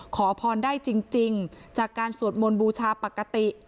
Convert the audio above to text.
ขอพรได้จริงจากการสวดมนต์บูชาปกติ